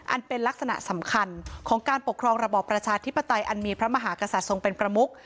เป็นลักษณะสำคัญของการปกครองระบอบประชาธิปไตยอันมีพระมหากษัตริย์ทรงเป็นประมุก